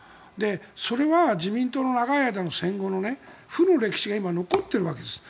それは自民党の長い間の戦後の負の歴史が今、残っているわけです。